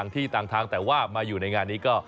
แต่ว่ามาอยู่ในงานนี้ก็